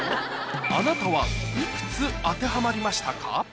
あなたはいくつ当てはまりましたか？